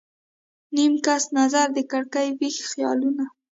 نیم کښ نظر د کړکۍ، ویښ خیالونه